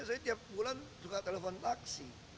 saya tiap bulan juga telepon taksi